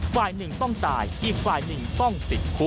ฝ่ายหนึ่งต้องตายอีกฝ่ายหนึ่งต้องติดคุก